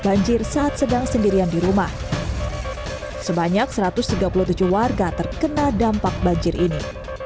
banjir saat sedang sendirian di rumah sebanyak satu ratus tiga puluh tujuh warga terkena dampak banjir ini